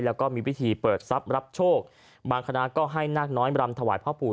แล้วก็มีพิธีเปิดทรัพย์รับโชคบางคณะก็ให้นาคน้อยมารำถวายพ่อปู่